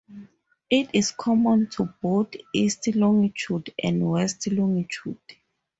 It is common to both east longitude and west longitude.